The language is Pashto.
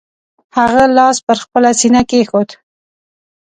هغه لاس پر خپله سینه کېښود.